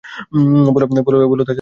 বলো তাছাড়া আমি আর কাছে যেতাম?